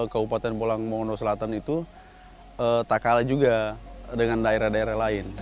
kabupaten pulang mongono selatan itu tak kalah juga dengan daerah daerah lain